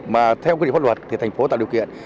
mà theo quy định pháp luật thì thành phố tạo điều kiện